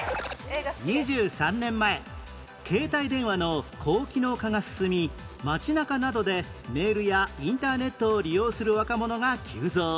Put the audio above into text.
２３年前携帯電話の高機能化が進み街中などでメールやインターネットを利用する若者が急増